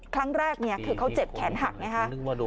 ครั้งแรกคือเขาเจ็บแขนหักไงฮะ